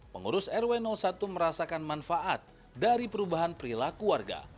pengurus rw satu merasakan manfaat dari perubahan perilaku warga